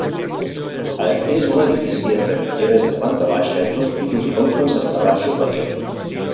És un edifici entre mitgeres de planta baixa, dos pisos i golfes amb terrat superior.